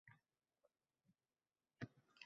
Gubernatorlar saylovga nomzodlar ko'rsatishi mumkinmi?